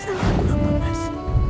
salah aku apa mas